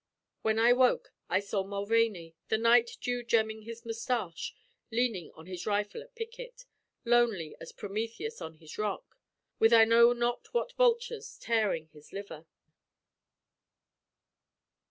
When I woke I saw Mulvaney, the night dew gemming his mustache, leaning on his rifle at picket, lonely as Prometheus on his rock, with I know not what vultures tearing his liver.